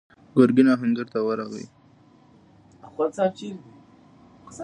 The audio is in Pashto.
ګرګين آهنګر ته ورغی.